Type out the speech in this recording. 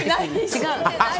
違う。